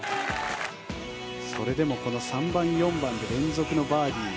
それでも、この３番４番で連続のバーディー。